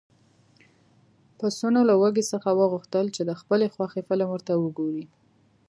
پسونه له وزې څخه وغوښتل چې د خپلې خوښې فلم ورته وګوري.